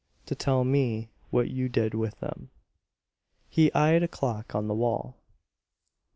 ] to tell me what you did with them." He eyed a clock on the wall.